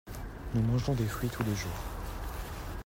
Nous mangeons des fruits tous les jours.